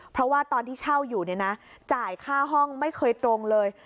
เพราะว่าตอนที่เช่าอยู่เนี่ยนะจ่ายค่าห้องไม่เคยตรงเลย